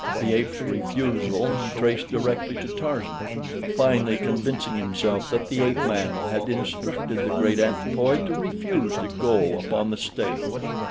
The ape's refusal he traced directly to Tarzan, finally convincing himself that the ape man had instructed the great anthropoid to refuse to go upon the stage.